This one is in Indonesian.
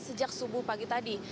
sejak subuh pagi tadi